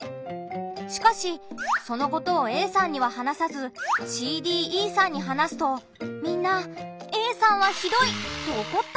しかしそのことをＡさんには話さずＣ・Ｄ・Ｅさんに話すとみんな「Ａさんはひどい」とおこった。